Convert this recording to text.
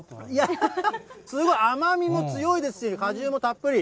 すごい、甘みも強いですし、果汁もたっぷり。